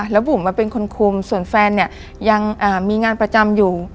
แล้วบุ๋มมาเป็นคนคุมส่วนแฟนเนี่ยยังมีงานประจำอยู่